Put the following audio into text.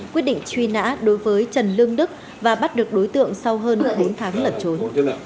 quyết định truy nã đối với trần lương đức và bắt được đối tượng sau hơn bốn tháng lẩn trốn